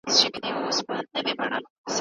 خدیجې د چایو پیاله د ځان لپاره ډکه کړه.